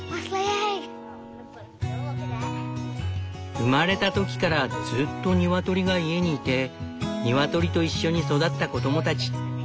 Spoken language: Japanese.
生まれた時からずっとニワトリが家にいてニワトリといっしょに育った子供たち。